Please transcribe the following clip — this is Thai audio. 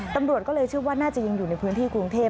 ตำรวจก็เลยเชื่อว่าน่าจะยังอยู่ในพื้นที่กรุงเทพ